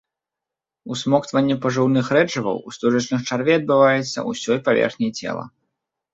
Усмоктванне пажыўных рэчываў у стужачных чарвей адбываецца ўсёй паверхняй цела.